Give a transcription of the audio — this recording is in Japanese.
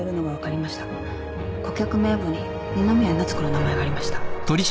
顧客名簿に二宮奈津子の名前がありました。